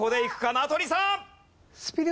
名取さん！